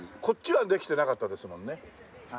こっちはできてなかったですもんね。